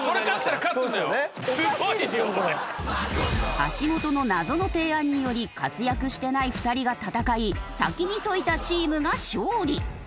橋本の謎の提案により活躍してない２人が戦い先に解いたチームが勝利。